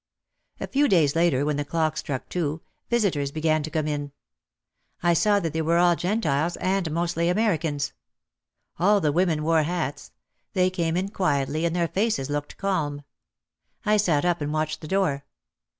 A few days later when the clock struck two, visitors began to come in. I saw that they were all Gentiles and mostly Americans. All the women wore hats; they came in quietly and their faces looked calm. I sat up and watched the door.